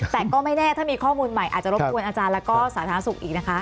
แต่ก็ไม่แน่ถ้ามีข้อมูลใหม่อาจจะรบกวนอาจารย์แล้วก็สาธารณสุขอีกนะคะ